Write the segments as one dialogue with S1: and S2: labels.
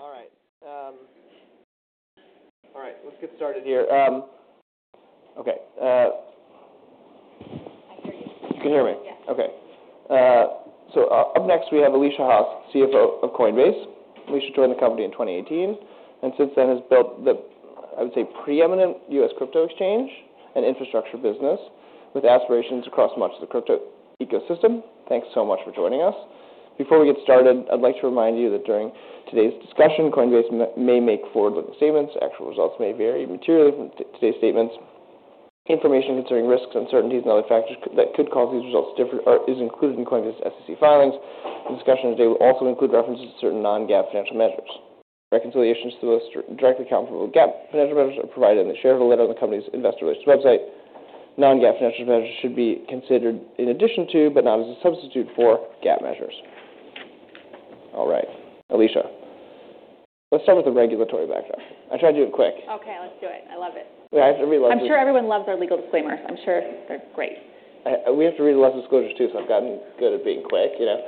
S1: Okay.
S2: Okay. All right. All right. Let's get started here. Okay. I hear you. You can hear me? Yeah. Okay. Up next we have Alesia Haas, CFO of Coinbase. Alesia joined the company in 2018 and since then has built the, I would say, preeminent U.S. crypto exchange and infrastructure business with aspirations across much of the crypto ecosystem. Thanks so much for joining us. Before we get started, I'd like to remind you that during today's discussion, Coinbase may make forward-looking statements. Actual results may vary materially from today's statements. Information concerning risks, uncertainties, and other factors that could cause these results to differ is included in Coinbase's SEC filings. The discussion today will also include references to certain non-GAAP financial measures. Reconciliations to the most directly comparable GAAP financial measures are provided in the shareholder letter on the company's investor relations website. Non-GAAP financial measures should be considered in addition to but not as a substitute for GAAP measures. All right. Alesia. Let's start with the regulatory backdrop. I tried to do it quick. Okay. Let's do it. I love it. We have to read Alesia's. I'm sure everyone loves our legal disclaimers. I'm sure they're great. We have to read the legal disclosures too so I've gotten good at being quick, you know.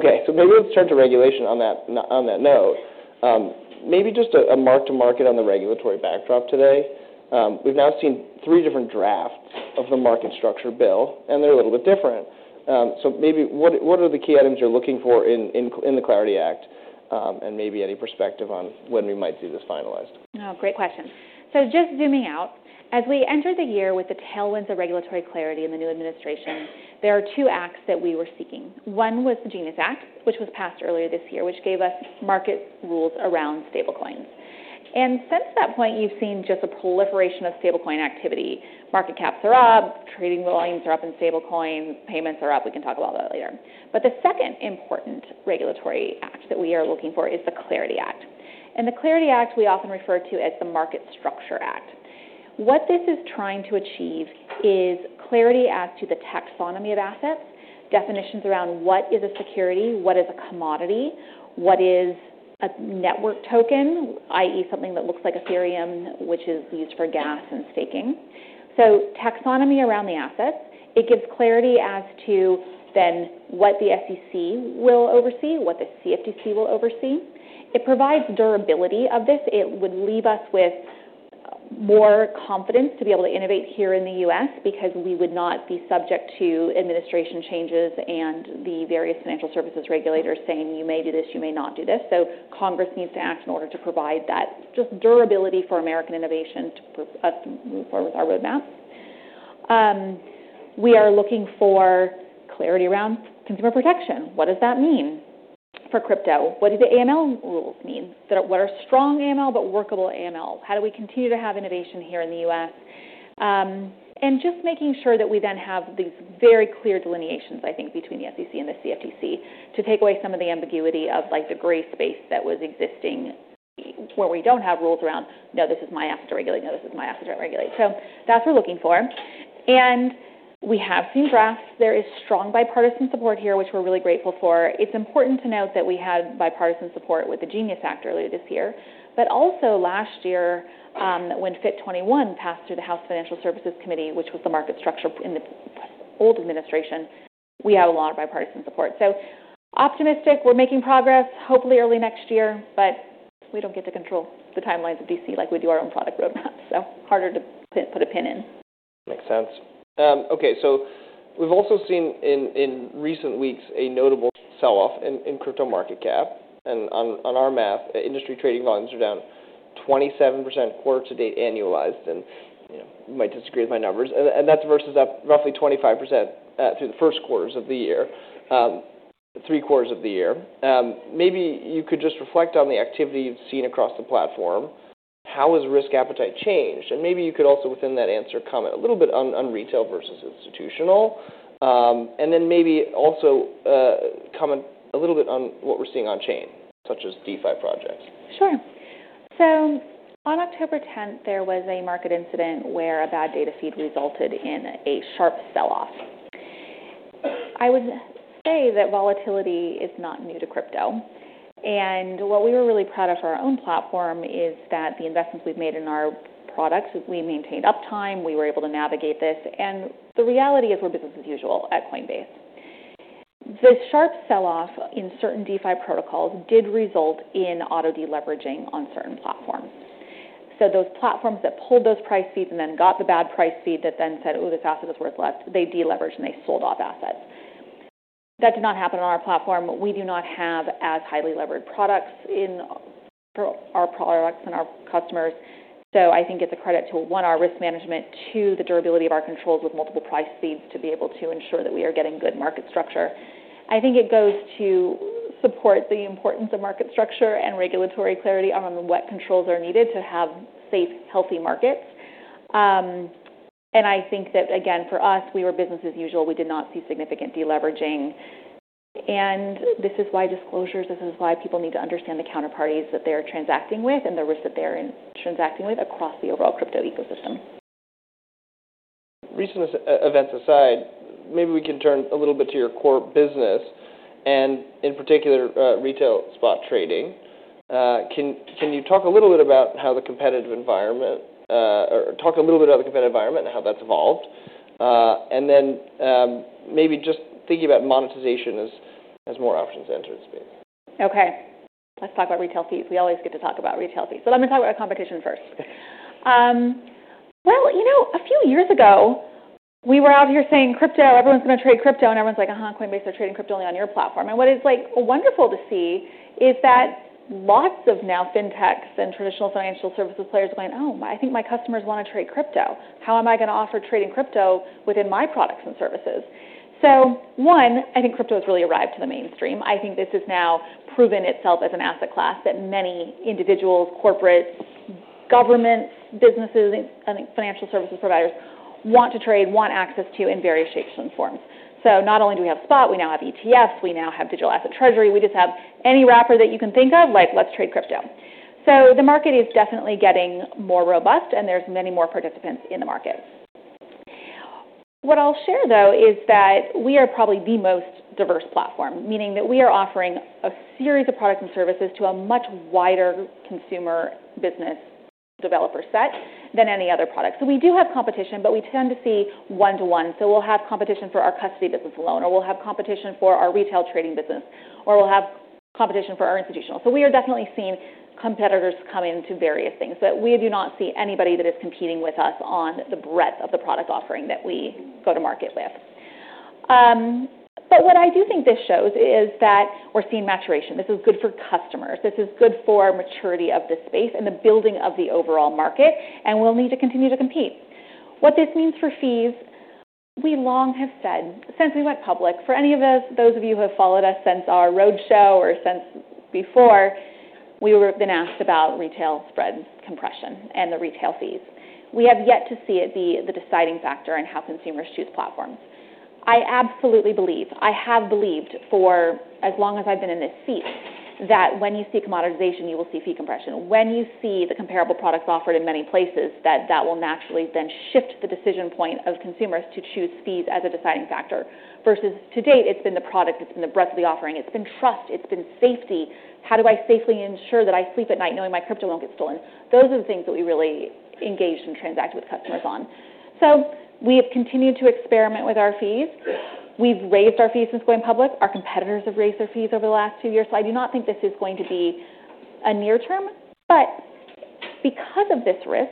S2: Okay. So maybe let's turn to regulation on that, on that note. Maybe just a mark to market on the regulatory backdrop today. We've now seen three different drafts of the market structure bill and they're a little bit different. So maybe what are the key items you're looking for in the CLARITY Act, and maybe any perspective on when we might see this finalized? Oh, great question. So just zooming out, as we entered the year with the tailwinds of regulatory clarity in the new administration, there are two acts that we were seeking. One was the GENIUS Act, which was passed earlier this year, which gave us market rules around stablecoins. And since that point, you've seen just a proliferation of stablecoin activity. Market caps are up, trading volumes are up in stablecoins, payments are up. We can talk about that later. But the second important regulatory act that we are looking for is the CLARITY Act. And the CLARITY Act we often refer to as the Market Structure Act. What this is trying to achieve is clarity as to the taxonomy of assets, definitions around what is a security, what is a commodity, what is a network token, i.e., something that looks like Ethereum, which is used for gas and staking. So, taxonomy around the assets gives clarity as to then what the SEC will oversee, what the CFTC will oversee. It provides durability of this. It would leave us with more confidence to be able to innovate here in the U.S. because we would not be subject to administration changes and the various financial services regulators saying, "You may do this. You may not do this." Congress needs to act in order to provide that just durability for American innovation to propel us to move forward with our roadmap. We are looking for clarity around consumer protection. What does that mean for crypto? What do the AML rules mean? That is, what are strong AML but workable AML? How do we continue to have innovation here in the U.S.? And just making sure that we then have these very clear delineations, I think, between the SEC and the CFTC to take away some of the ambiguity of, like, the gray space that was existing where we don't have rules around, "No, this is my asset to regulate. No, this is my asset to regulate." So that's what we're looking for. And we have seen drafts. There is strong bipartisan support here, which we're really grateful for. It's important to note that we had bipartisan support with the GENIUS Act earlier this year. But also last year, when FIT21 passed through the House Financial Services Committee, which was the market structure in the old administration, we had a lot of bipartisan support. So optimistic. We're making progress, hopefully early next year, but we don't get to control the timelines of D.C. like we do our own product roadmap. So, harder to put a pin in. Makes sense. Okay, so we've also seen, in recent weeks, a notable sell-off in crypto market cap. On our math, industry trading volumes are down 27% quarter to date annualized. You know, you might disagree with my numbers. That's versus a roughly 25% through the 1st three quarters of the year. Maybe you could just reflect on the activity you've seen across the platform. How has risk appetite changed? Maybe you could also, within that answer, comment a little bit on retail versus institutional. Then maybe also comment a little bit on what we're seeing on-chain, such as DeFi projects. Sure. So on October 10th, there was a market incident where a bad data feed resulted in a sharp sell-off. I would say that volatility is not new to crypto. And what we were really proud of for our own platform is that the investments we've made in our products, we maintained uptime. We were able to navigate this. And the reality is we're business as usual at Coinbase. The sharp sell-off in certain DeFi protocols did result in auto-deleveraging on certain platforms. So those platforms that pulled those price feeds and then got the bad price feed that then said, "Ooh, this asset is worth less," they deleveraged and they sold off assets. That did not happen on our platform. We do not have as highly levered products in for our products and our customers. So I think it's a credit to, one, our risk management, two, the durability of our controls with multiple price feeds to be able to ensure that we are getting good market structure. I think it goes to support the importance of market structure and regulatory clarity on what controls are needed to have safe, healthy markets. And I think that, again, for us, we were business as usual. We did not see significant deleveraging. And this is why disclosures, this is why people need to understand the counterparties that they're transacting with and the risks that they're in transacting with across the overall crypto ecosystem. Recent events aside, maybe we can turn a little bit to your core business and in particular, retail spot trading. Can you talk a little bit about the competitive environment and how that's evolved? And then, maybe just thinking about monetization as more options entered space. Okay. Let's talk about retail fees. We always get to talk about retail fees. So let me talk about competition first. Okay. You know, a few years ago, we were out here saying, "Crypto, everyone's gonna trade crypto." Everyone's like, "Uh-huh. Coinbase are trading crypto only on your platform." What is, like, wonderful to see is that lots of now fintechs and traditional financial services players are going, "Oh, I think my customers wanna trade crypto. How am I gonna offer trading crypto within my products and services?" One, I think crypto has really arrived to the mainstream. I think this has now proven itself as an asset class that many individuals, corporates, governments, businesses, and financial services providers want to trade, want access to in various shapes and forms. Not only do we have spot, we now have ETFs. We now have digital asset treasury. We just have any wrapper that you can think of, like, "Let's trade crypto." So the market is definitely getting more robust and there's many more participants in the market. What I'll share, though, is that we are probably the most diverse platform, meaning that we are offering a series of products and services to a much wider consumer business developer set than any other product. So we do have competition, but we tend to see one-to-one. So we'll have competition for our custody business alone, or we'll have competition for our retail trading business, or we'll have competition for our institutional. So we are definitely seeing competitors come into various things. But we do not see anybody that is competing with us on the breadth of the product offering that we go to market with. But what I do think this shows is that we're seeing maturation. This is good for customers. This is good for maturity of the space and the building of the overall market, and we'll need to continue to compete. What this means for fees, we long have said since we went public, for any of us, those of you who have followed us since our road show or since before, we were then asked about retail spreads compression and the retail fees. We have yet to see it be the deciding factor in how consumers choose platforms. I absolutely believe, I have believed for as long as I've been in this seat that when you see commoditization, you will see fee compression. When you see the comparable products offered in many places, that will naturally then shift the decision point of consumers to choose fees as a deciding factor versus to date, it's been the product. It's been the breadth of the offering. It's been trust. It's been safety. How do I safely ensure that I sleep at night knowing my crypto won't get stolen? Those are the things that we really engaged and transacted with customers on. So we have continued to experiment with our fees. We've raised our fees since going public. Our competitors have raised their fees over the last two years. So I do not think this is going to be a near term. But because of this risk,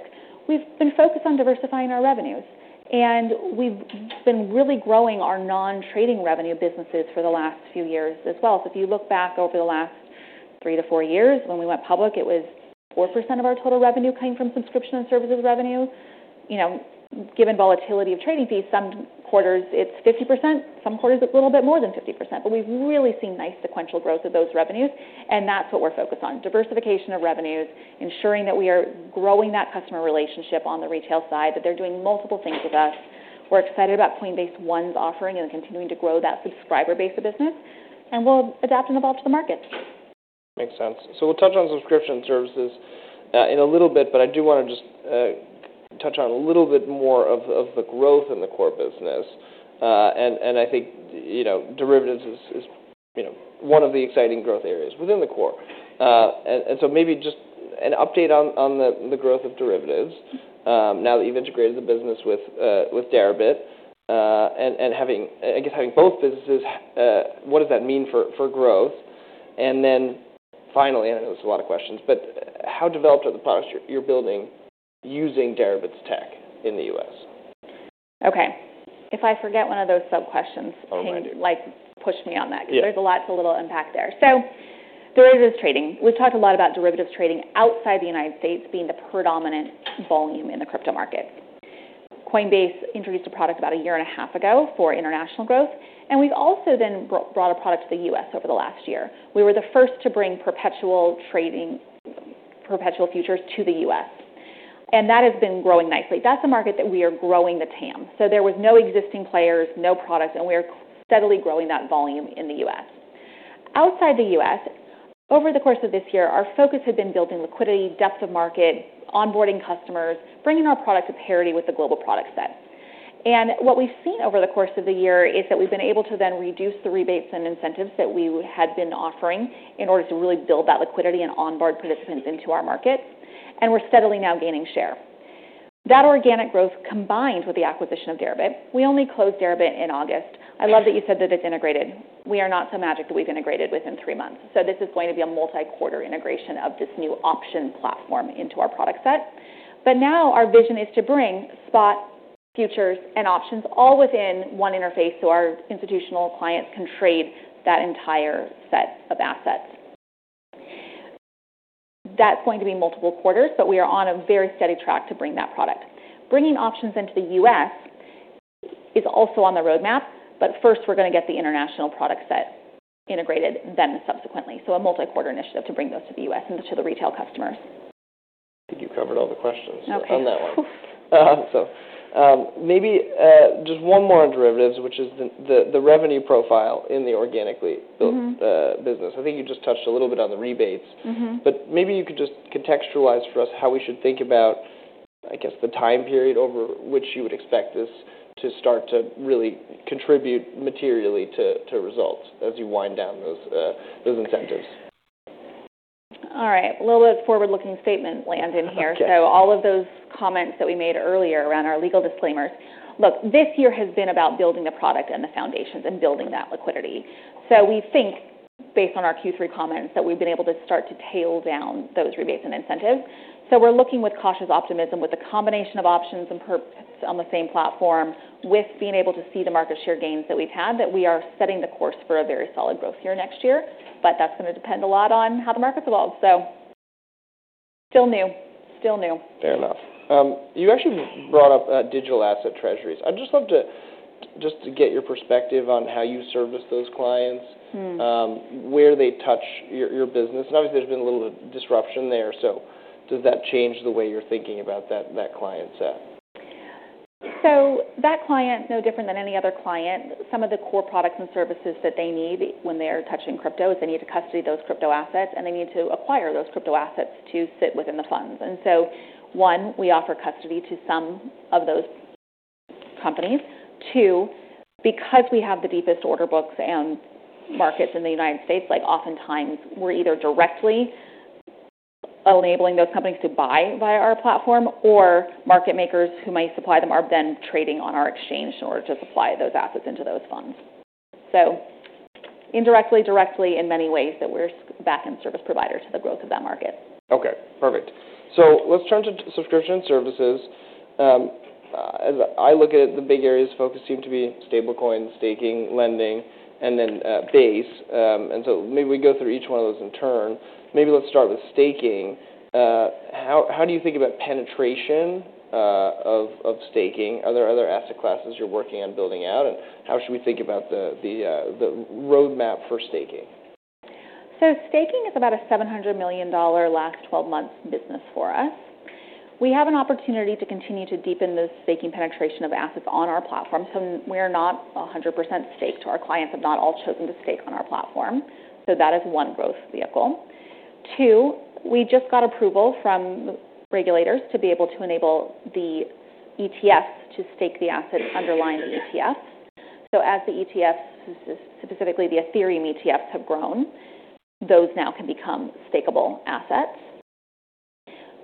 S2: we've been focused on diversifying our revenues. And we've been really growing our non-trading revenue businesses for the last few years as well. So if you look back over the last three to four years, when we went public, it was 4% of our total revenue coming from subscription and services revenue. You know, given volatility of trading fees, some quarters it's 50%. Some quarters it's a little bit more than 50%. But we've really seen nice sequential growth of those revenues. And that's what we're focused on, diversification of revenues, ensuring that we are growing that customer relationship on the retail side, that they're doing multiple things with us. We're excited about Coinbase One's offering and continuing to grow that subscriber base of business. And we'll adapt and evolve to the market. Makes sense. So we'll touch on subscription and services in a little bit. But I do want to just touch on a little bit more of the growth in the core business. And I think, you know, derivatives is one of the exciting growth areas within the core. And so maybe just an update on the growth of derivatives, now that you've integrated the business with Deribit, and having both businesses, I guess, what does that mean for growth? Then finally, I know this is a lot of questions, but how developed are the products you're building using Deribit's tech in the U.S.? Okay. If I forget one of those sub-questions. Oh, mind you. Can you, like, push me on that? Yeah. 'Cause there's too little impact there. So derivatives trading. We've talked a lot about derivatives trading outside the United States being the predominant volume in the crypto market. Coinbase introduced a product about a year and a half ago for international growth. And we've also then brought a product to the U.S. over the last year. We were the first to bring perpetual trading, perpetual futures to the U.S. And that has been growing nicely. That's a market that we are growing the TAM. So there was no existing players, no products. And we are steadily growing that volume in the U.S. Outside the U.S., over the course of this year, our focus had been building liquidity, depth of market, onboarding customers, bringing our product to parity with the global product set. What we've seen over the course of the year is that we've been able to then reduce the rebates and incentives that we had been offering in order to really build that liquidity and onboard participants into our market. And we're steadily now gaining share. That organic growth combined with the acquisition of Deribit. We only closed Deribit in August. I love that you said that it's integrated. We are not so magic that we've integrated within three months. So this is going to be a multi-quarter integration of this new option platform into our product set. But now our vision is to bring spot, futures, and options all within one interface so our institutional clients can trade that entire set of assets. That's going to be multiple quarters. But we are on a very steady track to bring that product. Bringing options into the U.S. is also on the roadmap. But first, we're gonna get the international product set integrated, then subsequently. So a multi-quarter initiative to bring those to the U.S. and to the retail customers. I think you covered all the questions. Okay. On that one. Whew. Maybe just one more on derivatives, which is the revenue profile in the organically. Mm-hmm. Built business. I think you just touched a little bit on the rebates. Mm-hmm. But maybe you could just contextualize for us how we should think about, I guess, the time period over which you would expect this to start to really contribute materially to results as you wind down those incentives. All right. A little bit forward-looking statement land in here. Okay. So all of those comments that we made earlier around our legal disclaimers. Look, this year has been about building the product and the foundations and building that liquidity. So we think, based on our Q3 comments, that we've been able to start to tail down those rebates and incentives. So we're looking with cautious optimism with the combination of options and perps on the same platform with being able to see the market share gains that we've had, that we are setting the course for a very solid growth year next year. But that's gonna depend a lot on how the markets evolve. So still new. Still new. Fair enough. You actually brought up digital asset treasuries. I'd just love to get your perspective on how you service those clients. Mm-hmm. Where they touch your business. And obviously, there's been a little disruption there. So does that change the way you're thinking about that client set? So that client, no different than any other client, some of the core products and services that they need when they're touching crypto is they need to custody those crypto assets, and they need to acquire those crypto assets to sit within the funds, and so, one, we offer custody to some of those companies. Two, because we have the deepest order books and markets in the United States, like, oftentimes, we're either directly enabling those companies to buy via our platform or market makers who may supply them are then trading on our exchange in order to supply those assets into those funds, so indirectly, directly, in many ways, that we're backend service provider to the growth of that market. Okay. Perfect. So let's turn to subscription and services. As I look at it, the big areas of focus seem to be stablecoin, staking, lending, and then Base. And so maybe we go through each one of those in turn. Maybe let's start with staking. How do you think about penetration of staking? Are there other asset classes you're working on building out? And how should we think about the roadmap for staking? So staking is about a $700 million last 12 months business for us. We have an opportunity to continue to deepen the staking penetration of assets on our platform. So we are not 100% staked. Our clients have not all chosen to stake on our platform. So that is one growth vehicle. Two, we just got approval from regulators to be able to enable the ETFs to stake the assets underlying the ETF. So as the ETFs, specifically the Ethereum ETFs, have grown, those now can become stakeable assets.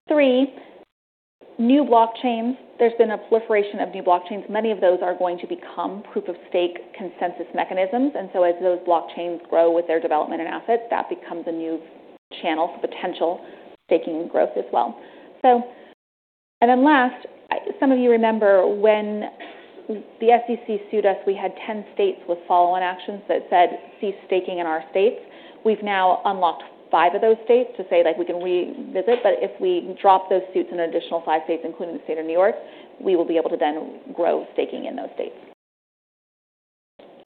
S2: Three, new blockchains. There's been a proliferation of new blockchains. Many of those are going to become proof-of-stake consensus mechanisms. And so as those blockchains grow with their development and assets, that becomes a new channel for potential staking growth as well. So, and then last, some of you remember when the SEC sued us. We had 10 states with follow-on actions that said, "Cease staking in our states." We've now unlocked five of those states to say, like, we can revisit. But if we drop those suits in additional five states, including the state of New York, we will be able to then grow staking in those states.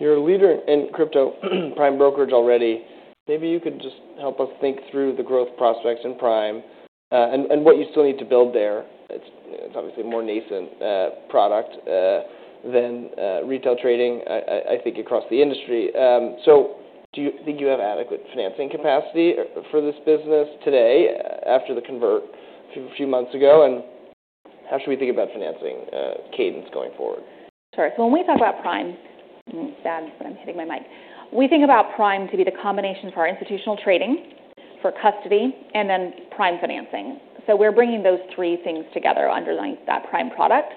S2: You're a leader in crypto Prime brokerage already. Maybe you could just help us think through the growth prospects in Prime, and what you still need to build there. It's obviously a more nascent product than retail trading, I think, across the industry. So do you think you have adequate financing capacity for this business today after the convertible a few months ago? And how should we think about financing cadence going forward? Sure. So when we talk about Prime, we think about Prime to be the combination for our institutional trading, for custody, and then Prime financing. So we're bringing those three things together underlying that Prime product.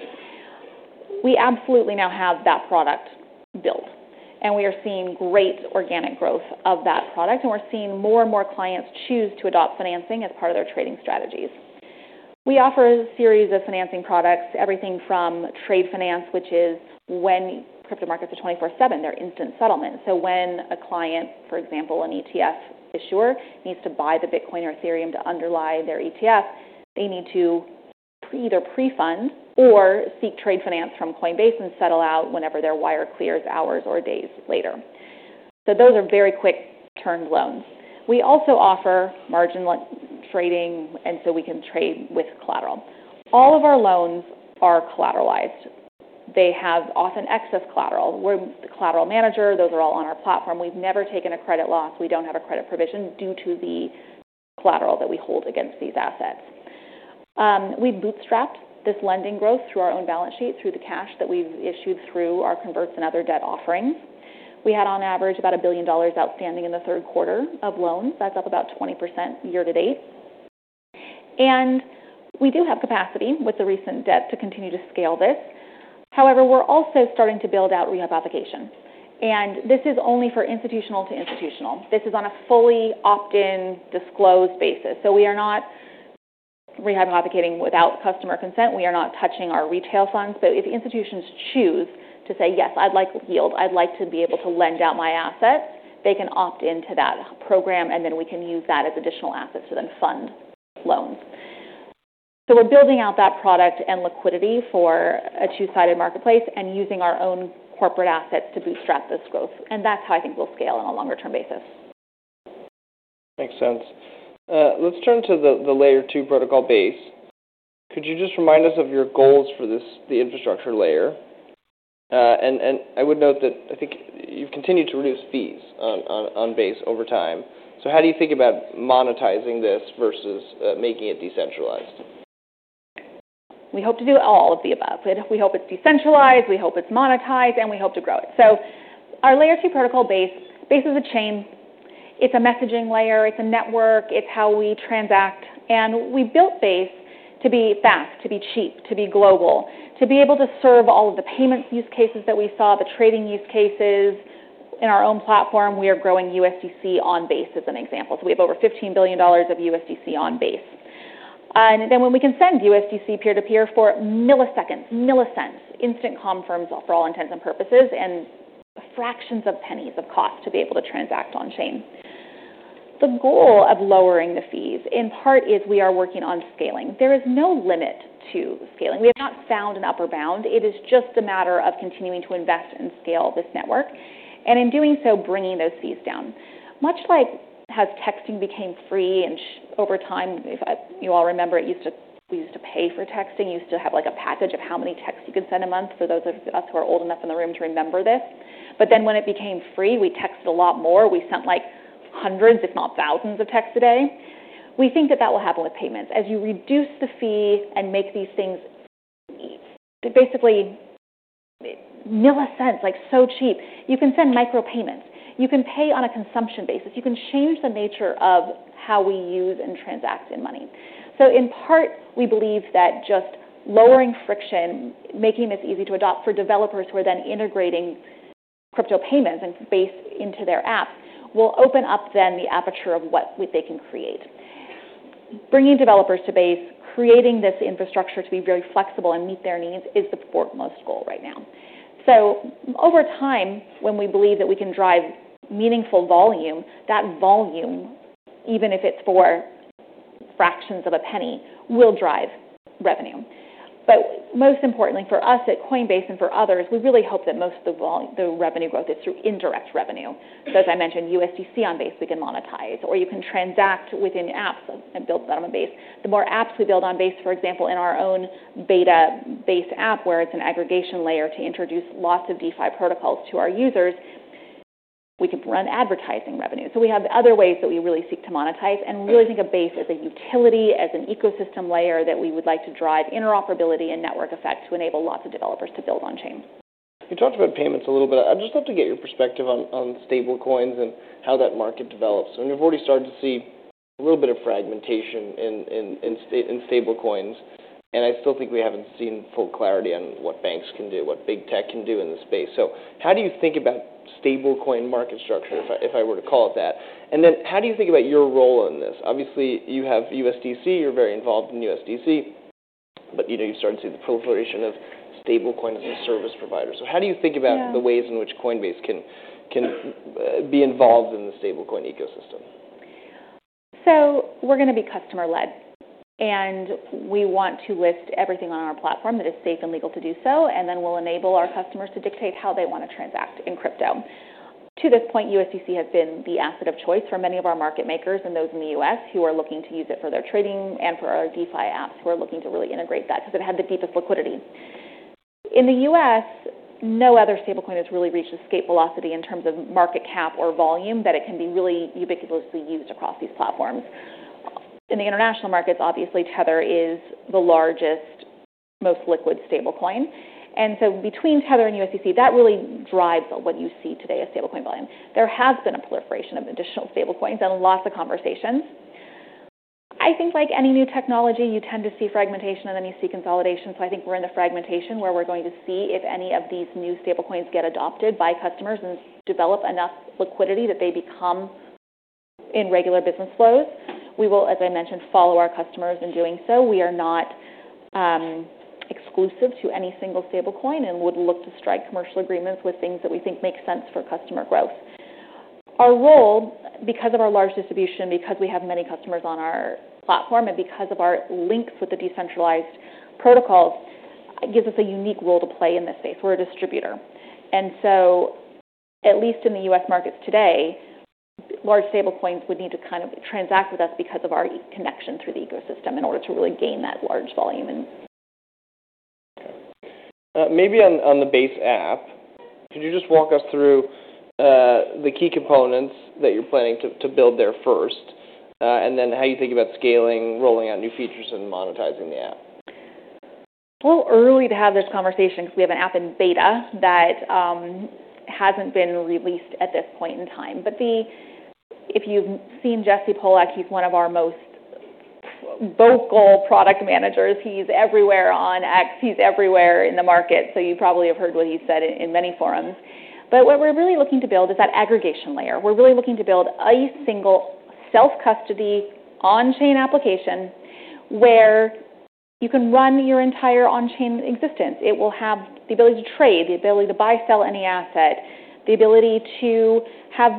S2: We absolutely now have that product built. We are seeing great organic growth of that product. We're seeing more and more clients choose to adopt financing as part of their trading strategies. We offer a series of financing products, everything from trade finance, which is when crypto markets are 24/7, they're instant settlement. So when a client, for example, an ETF issuer, needs to buy the Bitcoin or Ethereum to underlie their ETF, they need to either pre-fund or seek trade finance from Coinbase and settle out whenever their wire clears hours or days later. So those are very quick-turned loans. We also offer margin trading, and so we can trade with collateral. All of our loans are collateralized. They have often excess collateral. We're the collateral manager. Those are all on our platform. We've never taken a credit loss. We don't have a credit provision due to the collateral that we hold against these assets. We've bootstrapped this lending growth through our own balance sheet, through the cash that we've issued through our converts and other debt offerings. We had, on average, about $1 billion outstanding in the 3rd quarter of loans. That's up about 20% year-to-date. And we do have capacity with the recent debt to continue to scale this. However, we're also starting to build out rehabilitation. And this is only for institutional to institutional. This is on a fully opt-in disclose basis. So we are not rehabilitating without customer consent. We are not touching our retail funds, but if institutions choose to say, "Yes, I'd like yield. I'd like to be able to lend out my assets," they can opt into that program, and then we can use that as additional assets to then fund loans, so we're building out that product and liquidity for a two-sided marketplace and using our own corporate assets to bootstrap this growth, and that's how I think we'll scale on a longer-term basis. Makes sense. Let's turn to the Layer 2 protocol Base. Could you just remind us of your goals for this, the infrastructure layer? And I would note that I think you've continued to reduce fees on Base over time. So how do you think about monetizing this versus making it decentralized? We hope to do all of the above. We hope it's decentralized. We hope it's monetized. And we hope to grow it. So our Layer 2 protocol Base, Base is a chain. It's a messaging layer. It's a network. It's how we transact. And we built Base to be fast, to be cheap, to be global, to be able to serve all of the payment use cases that we saw, the trading use cases in our own platform. We are growing USDC on Base as an example. So we have over $15 billion of USDC on Base. And then when we can send USDC peer-to-peer for milliseconds, milli-cents, instant confirms for all intents and purposes and fractions of pennies of cost to be able to transact on-chain. The goal of lowering the fees in part is we are working on scaling. There is no limit to scaling. We have not found an upper bound. It is just a matter of continuing to invest and scale this network, and in doing so, bringing those fees down. Much like has texting became free and over time, if you all remember, we used to pay for texting. You used to have, like, a package of how many texts you could send a month for those of us who are old enough in the room to remember this, but then when it became free, we texted a lot more. We sent, like, hundreds, if not thousands of texts a day. We think that that will happen with payments. As you reduce the fee and make these things basically milli-cents, like, so cheap, you can send micro-payments. You can pay on a consumption basis. You can change the nature of how we use and transact in money. So in part, we believe that just lowering friction, making this easy to adopt for developers who are then integrating crypto payments and Base into their apps will open up then the aperture of what they can create. Bringing developers to Base, creating this infrastructure to be very flexible and meet their needs is the foremost goal right now. So over time, when we believe that we can drive meaningful volume, that volume, even if it's for fractions of a penny, will drive revenue. But most importantly for us at Coinbase and for others, we really hope that most of the volume, the revenue growth is through indirect revenue. So as I mentioned, USDC on Base, we can monetize. Or you can transact within apps and build that on Base. The more apps we build on Base, for example, in our own beta Base app where it's an aggregation layer to introduce lots of DeFi protocols to our users, we can run advertising revenue. So we have other ways that we really seek to monetize and really think of Base as a utility, as an ecosystem layer that we would like to drive interoperability and network effect to enable lots of developers to build on chain. You talked about payments a little bit. I'd just love to get your perspective on stablecoins and how that market develops. And we've already started to see a little bit of fragmentation in stablecoins. And I still think we haven't seen full clarity on what banks can do, what big tech can do in this space. So how do you think about stablecoin market structure if I were to call it that? And then how do you think about your role in this? Obviously, you have USDC. You're very involved in USDC. But, you know, you've started to see the proliferation of stablecoin as a service provider. So how do you think about. Mm-hmm. The ways in which Coinbase can be involved in the stablecoin ecosystem? We're gonna be customer-led. We want to list everything on our platform that is safe and legal to do so, then we'll enable our customers to dictate how they wanna transact in crypto. To this point, USDC has been the asset of choice for many of our market makers and those in the U.S. who are looking to use it for their trading and for our DeFi apps who are looking to really integrate that 'cause it had the deepest liquidity. In the U.S., no other stablecoin has really reached escape velocity in terms of market cap or volume that it can be really ubiquitously used across these platforms. In the international markets, obviously, Tether is the largest, most liquid stablecoin, so between Tether and USDC, that really drives what you see today as stablecoin volume. There has been a proliferation of additional stablecoins and lots of conversations. I think, like any new technology, you tend to see fragmentation and then you see consolidation. So I think we're in the fragmentation where we're going to see if any of these new stablecoins get adopted by customers and develop enough liquidity that they become in regular business flows. We will, as I mentioned, follow our customers in doing so. We are not exclusive to any single stablecoin and would look to strike commercial agreements with things that we think make sense for customer growth. Our role, because of our large distribution, because we have many customers on our platform, and because of our links with the decentralized protocols, gives us a unique role to play in this space. We're a distributor. At least in the U.S. markets today, large stablecoins would need to kind of transact with us because of our connection through the ecosystem in order to really gain that large volume and. Okay. Maybe on the Base app, could you just walk us through the key components that you're planning to build there first, and then how you think about scaling, rolling out new features, and monetizing the app? It's early to have this conversation 'cause we have an app in beta that hasn't been released at this point in time. But if you've seen Jesse Pollak, he's one of our most vocal product managers. He's everywhere on X. He's everywhere in the market. So you probably have heard what he said in many forums. But what we're really looking to build is that aggregation layer. We're really looking to build a single self-custody on-chain application where you can run your entire on-chain existence. It will have the ability to trade, the ability to buy, sell any asset, the ability to have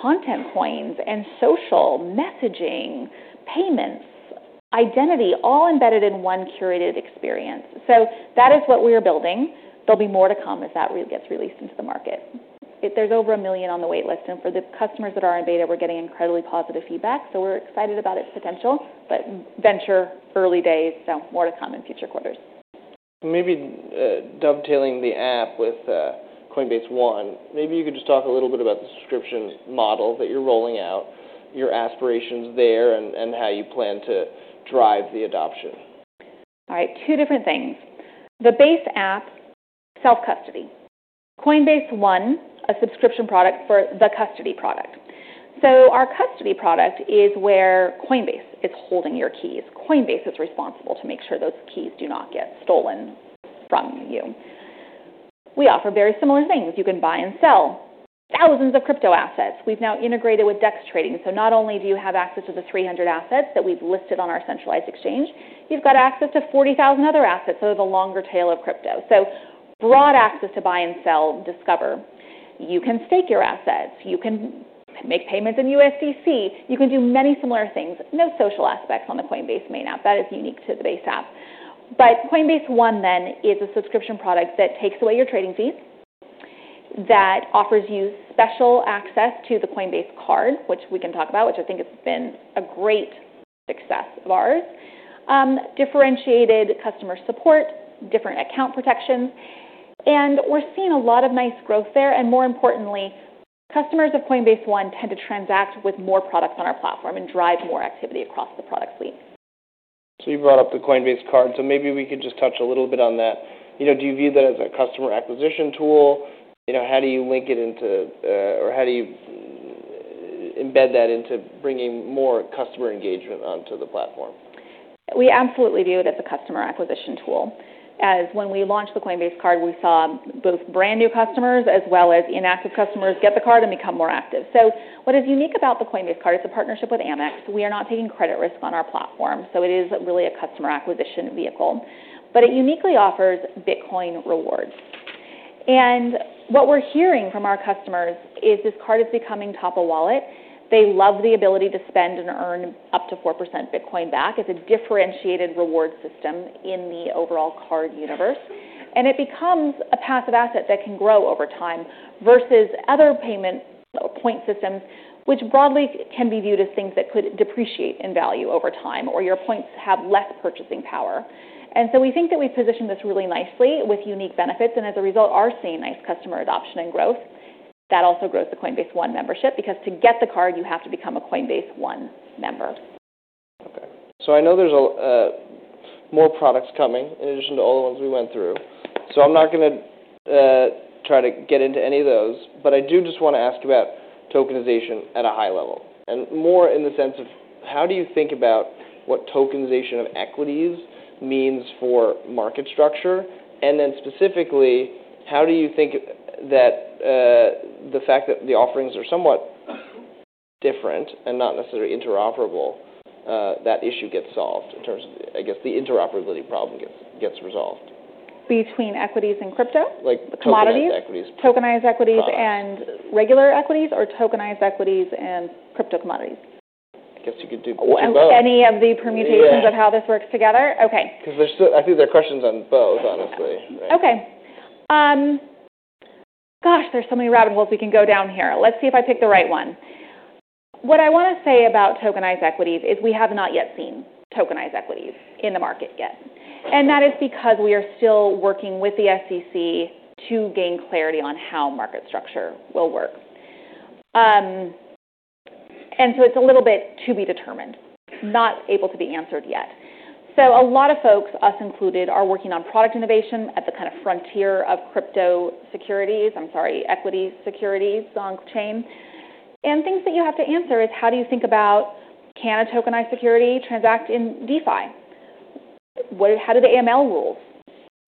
S2: content coins and social messaging, payments, identity, all embedded in one curated experience. So that is what we are building. There'll be more to come as that really gets released into the market. There's over 1 million on the waitlist. And for the customers that are in beta, we're getting incredibly positive feedback. So we're excited about its potential. But venture early days. So more to come in future quarters. Maybe, dovetailing the app with Coinbase One, maybe you could just talk a little bit about the subscription model that you're rolling out, your aspirations there, and how you plan to drive the adoption. All right. Two different things. The Base app, self-custody. Coinbase One, a subscription product for the custody product. So our custody product is where Coinbase is holding your keys. Coinbase is responsible to make sure those keys do not get stolen from you. We offer very similar things. You can buy and sell thousands of crypto assets. We've now integrated with DEX trading. So not only do you have access to the 300 assets that we've listed on our centralized exchange, you've got access to 40,000 other assets that have a longer tail of crypto. So broad access to buy and sell, discover. You can stake your assets. You can make payments in USDC. You can do many similar things. No social aspects on the Coinbase main app. That is unique to the Base app. Coinbase One then is a subscription product that takes away your trading fees, that offers you special access to the Coinbase Card, which we can talk about, which I think has been a great success of ours, differentiated customer support, different account protections. We're seeing a lot of nice growth there. More importantly, customers of Coinbase One tend to transact with more products on our platform and drive more activity across the product suite. So you brought up the Coinbase Card. So maybe we could just touch a little bit on that. You know, do you view that as a customer acquisition tool? You know, how do you link it into, or how do you embed that into bringing more customer engagement onto the platform? We absolutely view it as a customer acquisition tool. As when we launched the Coinbase Card, we saw both brand new customers as well as inactive customers get the card and become more active, so what is unique about the Coinbase Card is the partnership with AmEx. We are not taking credit risk on our platform, so it is really a customer acquisition vehicle, but it uniquely offers Bitcoin rewards, and what we're hearing from our customers is this card is becoming top of wallet. They love the ability to spend and earn up to 4% Bitcoin back. It's a differentiated reward system in the overall card universe, and it becomes a passive asset that can grow over time versus other payment or point systems, which broadly can be viewed as things that could depreciate in value over time or your points have less purchasing power. And so we think that we've positioned this really nicely with unique benefits. And as a result, we're seeing nice customer adoption and growth. That also grows the Coinbase One membership because to get the card, you have to become a Coinbase One member. Okay. So I know there's more products coming in addition to all the ones we went through. So I'm not gonna try to get into any of those. But I do just wanna ask about tokenization at a high level and more in the sense of how do you think about what tokenization of equities means for market structure? And then specifically, how do you think that the fact that the offerings are somewhat different and not necessarily interoperable, that issue gets solved in terms of, I guess, the interoperability problem gets resolved? Between equities and crypto? Like commodities. Tokenized equities. Tokenized equities. Regular equities or tokenized equities and crypto commodities? I guess you could do both. On any of the permutations of how this works together? Okay. 'Cause there's still, I think, there are questions on both, honestly. Okay. Gosh, there's so many rabbit holes we can go down here. Let's see if I pick the right one. What I wanna say about tokenized equities is we have not yet seen tokenized equities in the market yet. And that is because we are still working with the SEC to gain clarity on how market structure will work. And so it's a little bit to be determined, not able to be answered yet. So a lot of folks, us included, are working on product innovation at the kind of frontier of crypto securities, I'm sorry, equity securities on-chain. And things that you have to answer is how do you think about, can a tokenized security transact in DeFi? What, how do the AML rules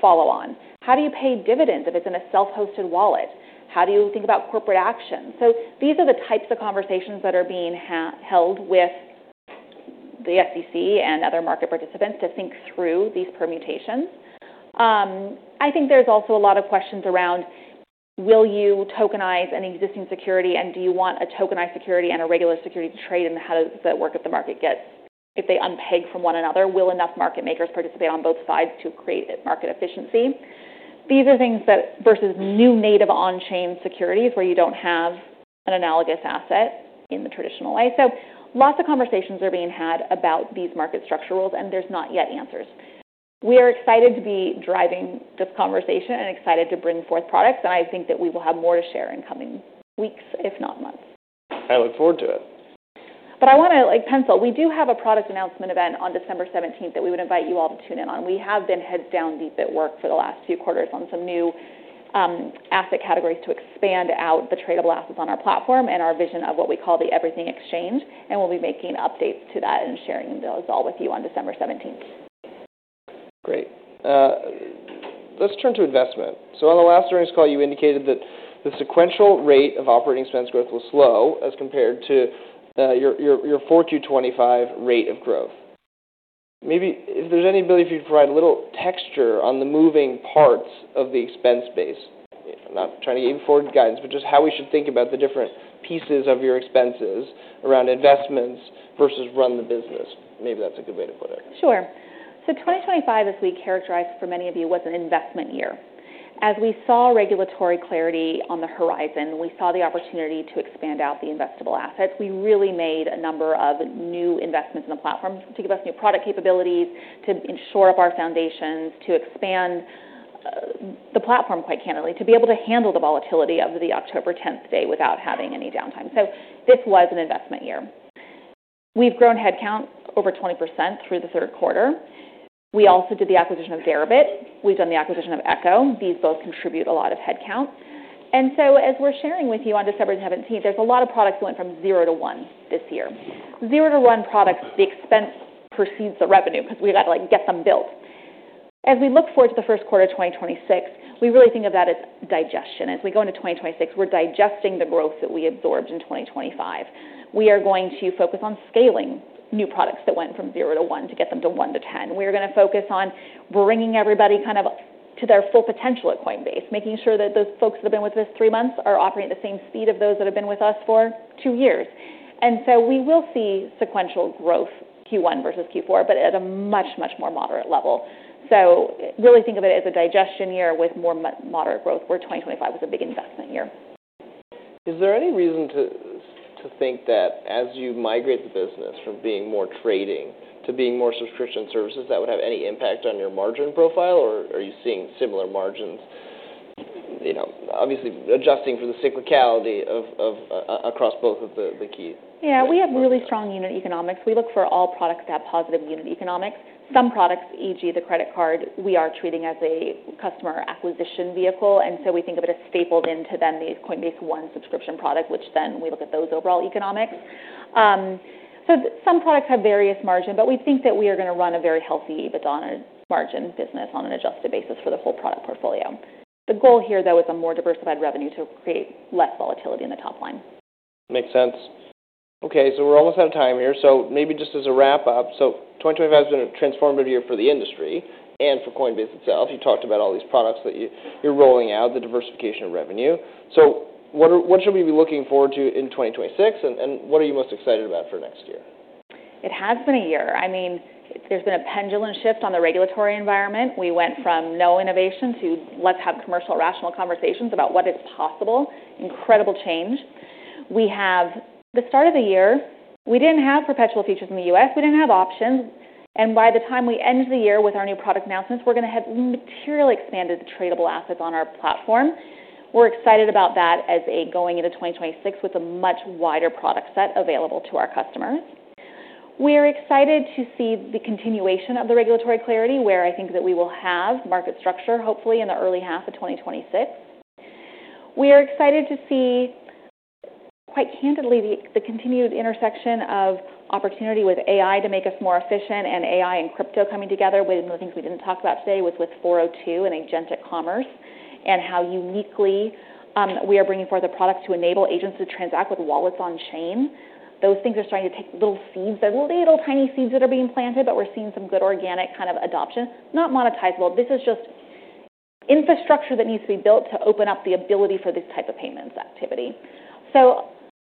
S2: follow on? How do you pay dividends if it's in a self-custody wallet? How do you think about corporate action? So these are the types of conversations that are being held with the SEC and other market participants to think through these permutations. I think there's also a lot of questions around will you tokenize an existing security and do you want a tokenized security and a regular security to trade and how does that work if they unpeg from one another? Will enough market makers participate on both sides to create market efficiency? These are things that versus new native on-chain securities where you don't have an analogous asset in the traditional way. So lots of conversations are being had about these market structure rules, and there's not yet answers. We are excited to be driving this conversation and excited to bring forth products. And I think that we will have more to share in coming weeks, if not months. I look forward to it. But I wanna, like, pencil. We do have a product announcement event on December 17th that we would invite you all to tune in on. We have been heads down, deep at work for the last few quarters on some new asset categories to expand out the tradable assets on our platform and our vision of what we call the everything exchange, and we'll be making updates to that and sharing those all with you on December 17th. Great. Let's turn to investment. So on the last earnings call, you indicated that the sequential rate of operating expense growth was slow as compared to your 4Q 2025 rate of growth. Maybe if there's any ability for you to provide a little texture on the moving parts of the expense base, not trying to give you forward guidance, but just how we should think about the different pieces of your expenses around investments versus run the business. Maybe that's a good way to put it. Sure. So 2025, as we characterized for many of you, was an investment year. As we saw regulatory clarity on the horizon, we saw the opportunity to expand out the investable assets. We really made a number of new investments in the platform to give us new product capabilities, to shore up our foundations, to expand the platform, quite candidly, to be able to handle the volatility of the October 10th day without having any downtime. So this was an investment year. We've grown headcount over 20% through the 3rd quarter. We also did the acquisition of Deribit. We've done the acquisition of Echo. These both contribute a lot of headcount. And so as we're sharing with you on December 17th, there's a lot of products that went from zero to one this year. Zero to one products, the expense precedes the revenue 'cause we gotta, like, get them built. As we look forward to the 1st quarter of 2026, we really think of that as digestion. As we go into 2026, we're digesting the growth that we absorbed in 2025. We are going to focus on scaling new products that went from zero to one to get them to one to ten. We are gonna focus on bringing everybody kind of to their full potential at Coinbase, making sure that those folks that have been with us three months are operating at the same speed of those that have been with us for two years. And so we will see sequential growth Q1 versus Q4, but at a much, much more moderate level. So really think of it as a digestion year with more moderate growth where 2025 was a big investment year. Is there any reason to think that as you migrate the business from being more trading to being more subscription services, that would have any impact on your margin profile? Or are you seeing similar margins? You know, obviously adjusting for the cyclicality across both of the keys. Yeah. We have really strong unit economics. We look for all products that have positive unit economics. Some products, e.g., the credit card, we are treating as a customer acquisition vehicle. And so we think of it as stapled into then the Coinbase One subscription product, which then we look at those overall economics. So some products have various margin, but we think that we are gonna run a very healthy EBITDA margin business on an adjusted basis for the full product portfolio. The goal here, though, is a more diversified revenue to create less volatility in the top line. Makes sense. Okay. So we're almost out of time here. So maybe just as a wrap-up, so 2025 has been a transformative year for the industry and for Coinbase itself. You talked about all these products that you're rolling out, the diversification of revenue. So what should we be looking forward to in 2026? And what are you most excited about for next year? It has been a year. I mean, there's been a pendulum shift on the regulatory environment. We went from no innovation to let's have commercial rational conversations about what is possible. Incredible change. We have the start of the year. We didn't have perpetual futures in the U.S., we didn't have options. And by the time we end the year with our new product announcements, we're gonna have materially expanded the tradable assets on our platform. We're excited about that as a going into 2026 with a much wider product set available to our customers. We are excited to see the continuation of the regulatory clarity where I think that we will have market structure, hopefully in the early half of 2026. We are excited to see, quite candidly, the continued intersection of opportunity with AI to make us more efficient and AI and crypto coming together. One of the things we didn't talk about today was with 402 and agentic commerce and how uniquely we are bringing forth a product to enable agents to transact with wallets-on-chain. Those things are starting to take little seeds. They're little tiny seeds that are being planted, but we're seeing some good organic kind of adoption. Not monetizable. This is just infrastructure that needs to be built to open up the ability for this type of payments activity, so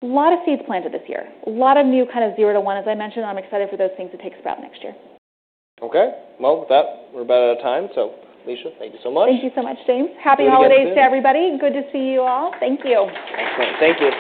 S2: a lot of seeds planted this year. A lot of new kind of zero to one, as I mentioned. I'm excited for those things to take sprout next year. Okay. Well, with that, we're about out of time. So Alesia, thank you so much. Thank you so much, James. Happy holidays to everybody. Good to see you all. Thank you. Excellent. Thank you.